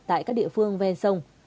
tại các địa phương ven sông